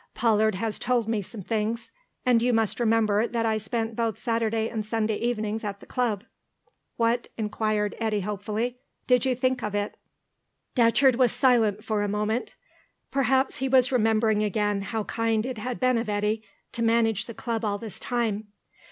"Pollard has told me some things. And you must remember that I spent both Saturday and Sunday evenings at the Club." "What," inquired Eddy hopefully, "did you think of it?" Datcherd was silent for a moment. Perhaps he was remembering again how kind it had been of Eddy to manage the Club all this time.